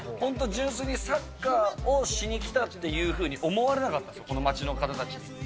純粋にサッカーをしに来たっていうふうに思われなかった、この街の方たちに。